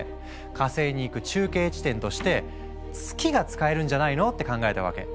火星に行く中継地点として月が使えるんじゃないの？って考えたわけ。